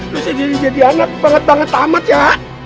lu sendiri jadi anak banget banget amat ya